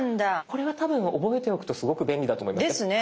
これは多分覚えておくとすごく便利だと思います。ですね。